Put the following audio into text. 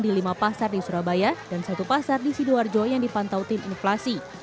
di lima pasar di surabaya dan satu pasar di sidoarjo yang dipantau tim inflasi